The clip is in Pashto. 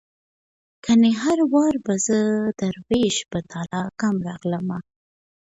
کنې هر وار به زه دروېش په تاله کم راغلمه